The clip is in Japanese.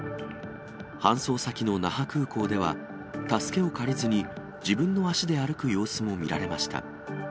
搬送先の那覇空港では、助けを借りずに自分の足で歩く様子も見られました。